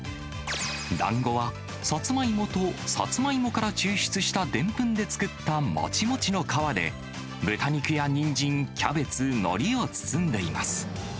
だんごは、サツマイモとサツマイモから抽出したでんぷんで作ったもちもちの皮で、豚肉やニンジン、キャベツ、のりを包んでいます。